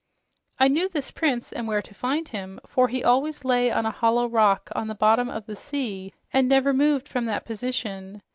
"I knew this prince and where to find him, for he always lay on a hollow rock on the bottom of the sea and never moved from that position.